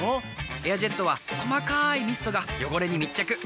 「エアジェット」は細かいミストが汚れに密着。